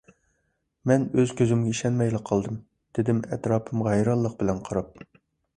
— مەن ئۆز كۆزۈمگە ئىشەنمەيلا قالدىم، — دېدىم ئەتراپىمغا ھەيرانلىق بىلەن قاراپ.